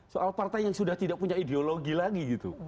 soal partai yang sudah tidak punya ideologi lagi gitu